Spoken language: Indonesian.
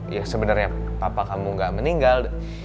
ya sebenarnya papa kamu gak meninggal